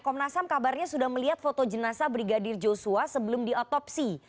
komnas ham kabarnya sudah melihat foto jenazah brigadir joshua sebelum diotopsi